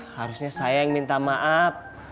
harusnya saya yang minta maaf